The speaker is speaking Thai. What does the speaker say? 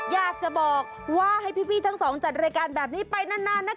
อยากจะบอกว่าให้พี่ทั้งสองจัดรายการแบบนี้ไปนานนะคะ